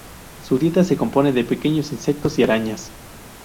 Su dieta se compone de pequeños insectos y arañas.